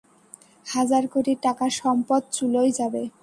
হাজার কোটি টাকার সম্পদ চুলোয় যাবে।